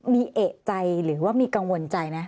มีเอกใจหรือว่ามีกังวลใจไหม